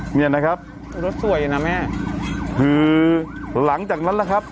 เนี่ยนะครับรถสวยนะแม่คือหลังจากนั้นล่ะครับ